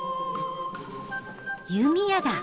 弓矢だ。